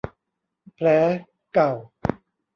แผลเก่า